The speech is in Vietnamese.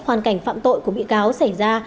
hoàn cảnh phạm tội của bị cáo xảy ra